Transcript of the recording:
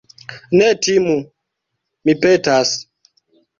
Ne timu, mi petas.